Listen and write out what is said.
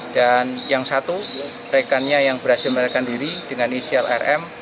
dan yang satu rekannya yang berhasil menerakan diri dengan isial rm